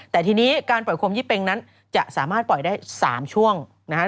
แต่ทีนี้การปล่อยโคมยี่เป็งนั้นจะสามารถปล่อยได้๓ช่วงนะครับ